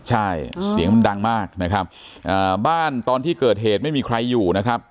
ใช่เสียงมันดังมากนะครับบ้านตอนที่เกิดเหตุไม่มีใครอยู่นะครับ